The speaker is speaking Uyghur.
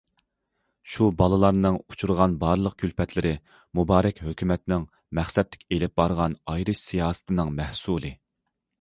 شۇ بالىلارنىڭ ئۇچرىغان بارلىق كۈلپەتلىرى مۇبارەك ھۆكۈمەتنىڭ مەقسەتلىك ئېلىپ بارغان ئايرىش سىياسىتىنىڭ مەھسۇلى.